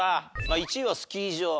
１位はスキー場。